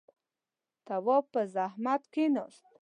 تواب په زحمت کېناست.